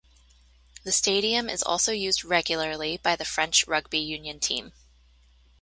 The stadium is also used regularly by the French rugby union team.